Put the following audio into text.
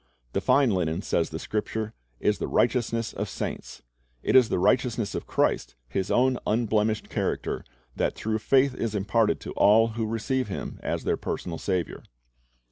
The fine linen, says the Scripture, "is the righteousness of saints."^ It is the righteousness of Christ, His own unblemished character, that through faith is imparted to all who receive Him as their personal Saviour.